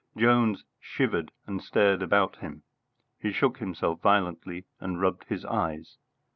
Jones shivered and stared about him. He shook himself violently and rubbed his eyes.